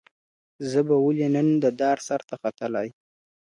زه به ولي نن د دار سر ته ختلاى.